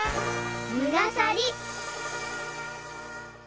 ・「むがさり」。